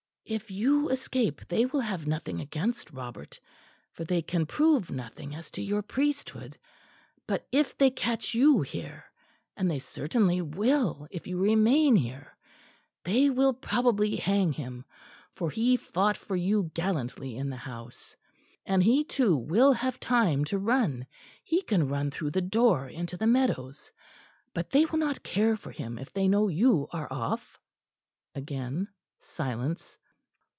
"If you escape they will have nothing against Robert; for they can prove nothing as to your priesthood. But if they catch you here and they certainly will, if you remain here they will probably hang him, for he fought for you gallantly in the house. And he too will have time to run. He can run through the door into the meadows. But they will not care for him if they know you are off." Again silence.